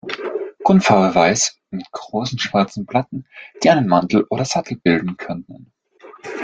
Grundfarbe weiß mit großen, schwarzen Platten, die einen Mantel oder Sattel bilden können.